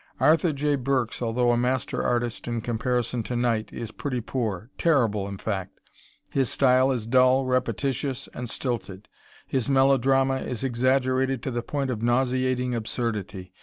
Arthur J. Burks, although a master artist in comparison to Knight, is pretty poor terrible, in fact. His style is dull, repetitious, and stilted. His melodrama is exaggerated to the point of nauseating absurdity.